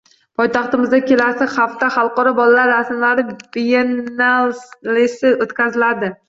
Poytaxtimizda kelasi hafta Xalqaro bolalar rasmlari biyennalesi o‘tkaziladi